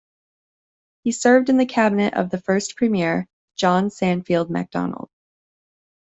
He served in the cabinet of the first Premier, John Sandfield Macdonald.